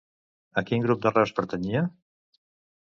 A quin grup de Reus pertanyia?